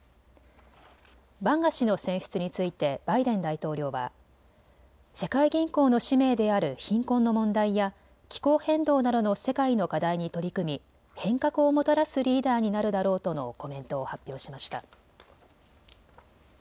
バンガ氏の選出についてバイデン大統領は世界銀行の使命である貧困の問題や気候変動などの世界の課題に取り組み変革をもたらすリーダーになるだろうとのコメントを発表しました。